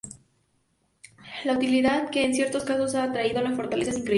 La utilidad que en ciertos casos han traído las fortalezas es increíble.